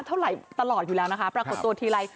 เท่าไหร่ตลอดอยู่แล้วนะคะปรากฏตัวทีไร